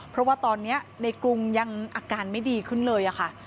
เพราะว่าตอนนี้ในกรุงยังอาการไม่ดีขึ้นเลยค่ะ